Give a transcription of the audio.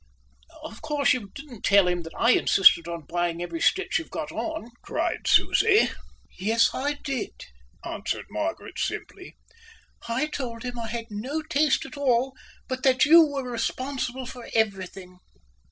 "Of course you didn't tell him that I insisted on buying every stitch you'd got on," cried Susie. "Yes, I did," answered Margaret simply. "I told him I had no taste at all, but that you were responsible for everything."